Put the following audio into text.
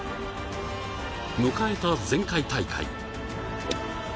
迎えた前回大会。